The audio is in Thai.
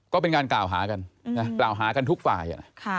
ก็เป็นการกล่าวหากันกล่าวหากันทุกฝ่าย